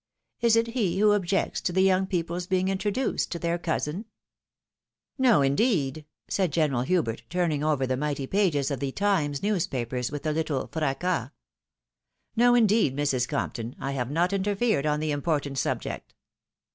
Is it he who objects to the young people's being introduced to their cousin ?"" No, indeed !" said General Hubert, turning over the mighty pages of the " Times " newspaper with a little fracas. " No, indeed, Mrs. Compton, I have not interfered on the important subject."